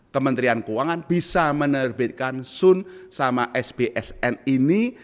kementerian keuangan bisa menerbitkan sun sama sbsn ini